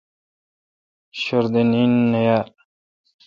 شوردے نین نہ یال۔